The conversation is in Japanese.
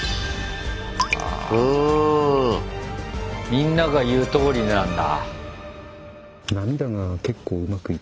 みんなが言うとおりなんだ。